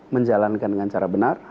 menjalankan dengan cara benar